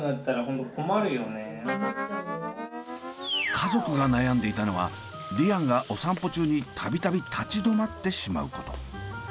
家族が悩んでいたのはリアンがお散歩中に度々立ち止まってしまうこと。